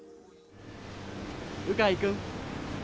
鵜飼君。